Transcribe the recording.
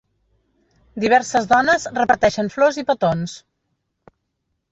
Diverses dones reparteixen flors i petons.